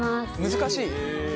難しい？